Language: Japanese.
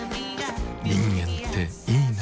人間っていいナ。